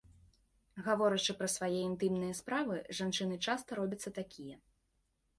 Гаворачы пра свае інтымныя справы, жанчыны часта робяцца такія.